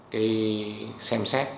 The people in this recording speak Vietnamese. cái xem xét